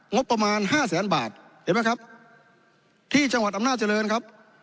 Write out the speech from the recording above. งบประมาณห้าแสนบาทเห็นไหมครับที่จังหวัดอำนาจริงครับ